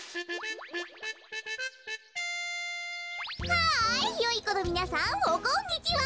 ハイよいこのみなさんおこんにちは。